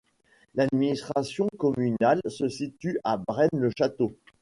L'administration communale se situe à Braine-le-Château.